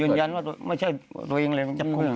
ยืนยันว่าไม่ใช่ตัวเองเลย